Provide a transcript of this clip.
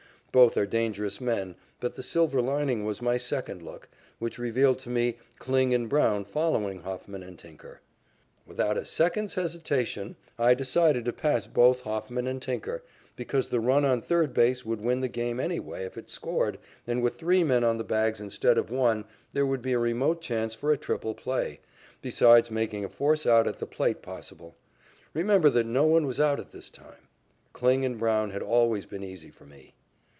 Both are dangerous men, but the silver lining was my second look, which revealed to me Kling and Brown following Hofman and Tinker. Without a second's hesitation, I decided to pass both Hofman and Tinker, because the run on third base would win the game anyway if it scored, and with three men on the bags instead of one, there would be a remote chance for a triple play, besides making a force out at the plate possible. Remember that no one was out at this time. Kling and Brown had always been easy for me.